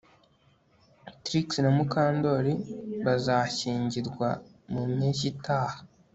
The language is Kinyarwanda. Trix na Mukandoli bazashyingirwa mu mpeshyi itaha